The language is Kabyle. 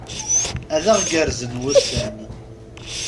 Ad aɣ-gerrzen wussan!